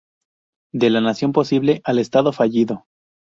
De la nación posible al Estado fallido.